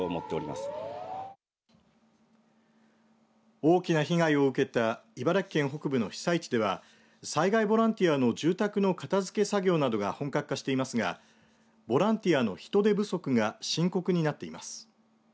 大きな被害を受けた茨城県北部の被災地では災害ボランティアの住宅の片づけ作業などが本格化していますがボランティアの人手不足が深刻になっています。